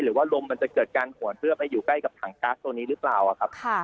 หรือว่าลมมันจะเกิดการขวนเพื่อไปอยู่ใกล้กับถังก๊าซตัวนี้หรือเปล่าครับ